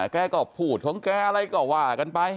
แกก็พูดของแกอะไรก็ว่า